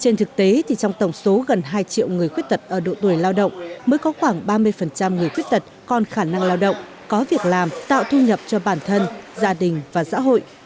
trên thực tế thì trong tổng số gần hai triệu người khuyết tật ở độ tuổi lao động mới có khoảng ba mươi người khuyết tật còn khả năng lao động có việc làm tạo thu nhập cho bản thân gia đình và xã hội